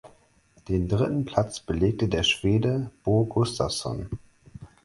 Den dritten Platz belegte der Schwede Bo Gustafsson.